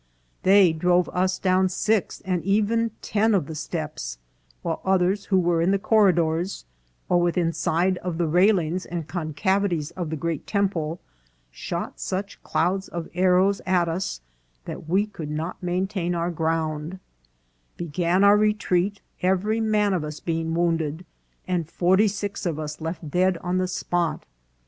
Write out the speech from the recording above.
" They drove us down six, and even ten of the steps ; while others who were in the corridors, or within side of the railings and concavities of the great temple, shot such clouds of arrows at us that we could not main tain our ground," " began our retreat, every man of us being wounded, and forty six of us left dead on the spot.